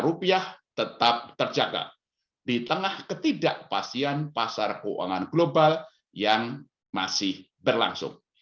rupiah tetap terjaga di tengah ketidakpastian pasar keuangan global yang masih berlangsung